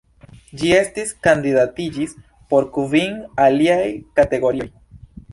Ĝi estis kandidatiĝis por kvin aliaj kategorioj.